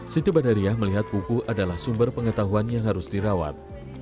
siti badariah melihat buku adalah sumber pengetahuan yang harus dirawat